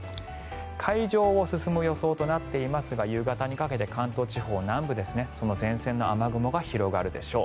海上を進む予想となっていますが夕方にかけて関東地方南部前線の雨雲が広がるでしょう。